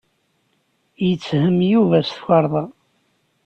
Yetthem Yuba s tukerḍa.